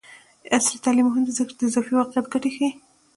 عصري تعلیم مهم دی ځکه چې د اضافي واقعیت ګټې ښيي.